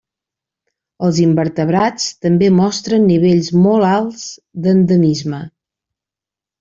Els invertebrats també mostren nivells molt alts d'endemisme.